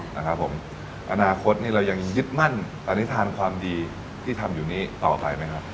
นะครับผมอนาคตนี่เรายังยึดมั่นอนิษฐานความดีที่ทำอยู่นี้ต่อไปไหมครับ